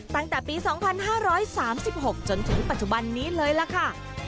ตั้งแต่ปี๒๕๓๖จนถึงปัจจุบันนี้เลยล่ะค่ะ